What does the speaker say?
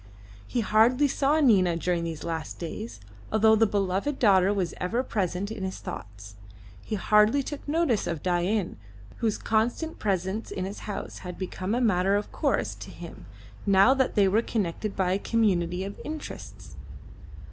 He hardly saw Nina during these last days, although the beloved daughter was ever present in his thoughts. He hardly took notice of Dain, whose constant presence in his house had become a matter of course to him now they were connected by a community of interests.